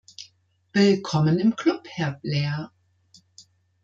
Willkommen im Club, Herr Blair.